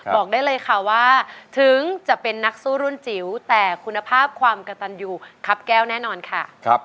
บอกได้เลยค่ะว่าถึงจะเป็นนักสู้รุ่นจิ๋วแต่คุณภาพความกระตันยูครับแก้วแน่นอนค่ะ